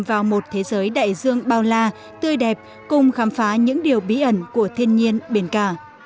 vào một thế giới đại dương bao la tươi đẹp cùng khám phá những điều bí ẩn của thiên nhiên biển cả